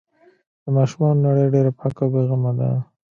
د ماشومانو نړۍ ډېره پاکه او بې غمه ده.